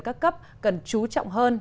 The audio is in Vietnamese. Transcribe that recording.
các cấp cần trú trọng hơn